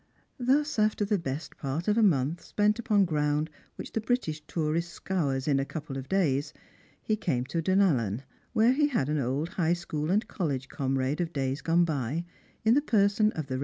Thus, after the best part of a month spent upon ground which the British tourist scours in a couple of days, he came to Dunallen, where he had an old High School and college comrade of days gone by, in the person of the Kev.